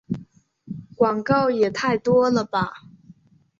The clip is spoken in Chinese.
广告也太多了吧